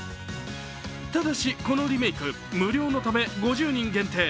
ただし、このリメーク、無料のため５０人限定。